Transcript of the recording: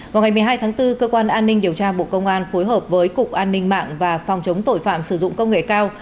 vào ngày một mươi hai tháng bốn cơ quan an ninh điều tra bộ công an phối hợp với cục an ninh mạng và phòng chống tội phạm sử dụng công nghệ cao